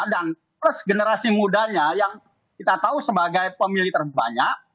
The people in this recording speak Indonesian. dan terus generasi mudanya yang kita tahu sebagai pemilih terbanyak